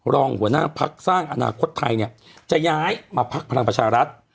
รองหัวหน้าพักสร้างอนาคตไทยเนี่ยจะย้ายมาพักพลังประชารัฐ